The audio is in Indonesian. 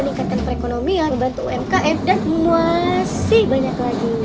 meningkatkan perekonomian membantu umkm dan masih banyak lagi